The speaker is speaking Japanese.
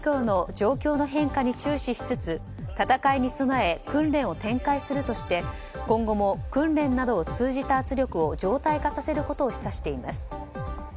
また、台湾海峡の状況を注視しつつ戦いに備え訓練を展開するとして今後も訓練などを通じた圧力を常態化させることを示唆しています。